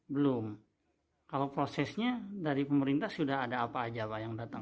belum kalau prosesnya dari pemerintah sudah ada apa aja pak yang datang